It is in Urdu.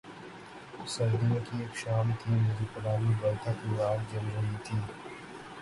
سردیوں کی ایک شام تھی، میری پرانی بیٹھک میں آگ جل رہی تھی۔